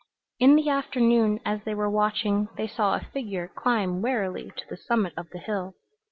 In the afternoon, as they were watching, they saw a figure climb wearily to the summit of the hill.